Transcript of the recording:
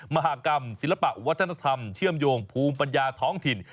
มหากรรมศิลปะวัฒนธรรมเชื่อมโยงภูมิปัญญาท้องถิ่น